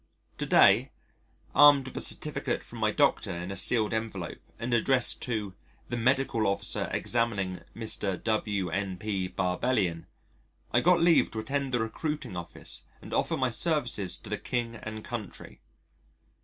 To day, armed with a certificate from my Doctor in a sealed envelope and addressed "to the Medical Officer examining Mr. W.N.P. Barbellion," I got leave to attend the recruiting office and offer my services to my King and Country.